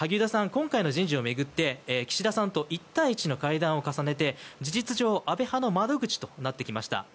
今回の人事を巡って岸田さんと１対１の会談を重ねて事実上安倍派の窓口となってきました。